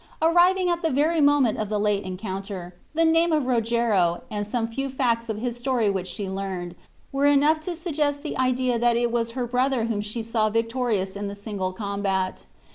Arriving at the very moment of the late encounter, the name of Rogero, and some few facts of his story which she learned, were enough to suggest the idea that it was her brother whom she saw victorious in the single combat.